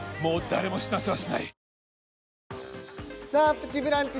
「プチブランチ」